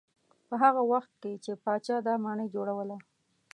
په هغه وخت کې چې پاچا دا ماڼۍ جوړوله.